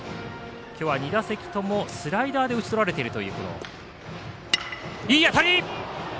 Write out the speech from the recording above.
今日は２打席ともスライダーで打ち取られています。